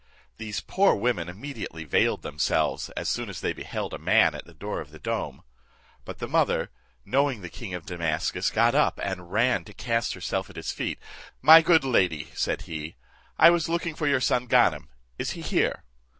These poor women immediately veiled themselves, as soon as they beheld a man at the door of the dome; but the mother, knowing the king of Damascus, got up, and ran to cast herself at his feet. "My good lady," said he, "I was looking for your son, Ganem, is he here?"